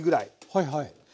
はいはい。